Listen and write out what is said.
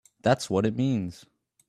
That's what it means!